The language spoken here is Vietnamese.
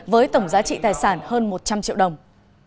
với tổng giá trị tài sản hơn một trăm linh triệu đồng